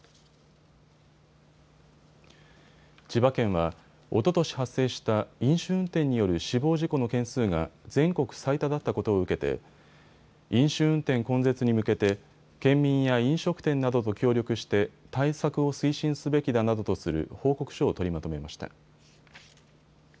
千葉県はおととし発生した飲酒運転による死亡事故の件数が全国最多だったことを受けて飲酒運転根絶に向けて県民や飲食店などと協力して対策を推進すべきだなどとする報告書を取りまとめました。